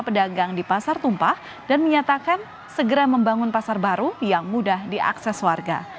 pedagang di pasar tumpah dan menyatakan segera membangun pasar baru yang mudah diakses warga